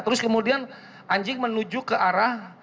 terus kemudian anjing menuju ke arah